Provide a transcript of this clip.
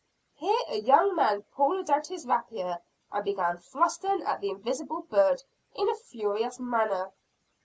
Here a young man pulled out his rapier, and began thrusting at the invisible bird in a furious manner.